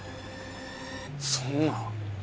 そんな。